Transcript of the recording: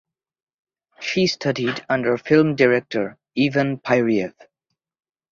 She studied under film director Ivan Pyryev.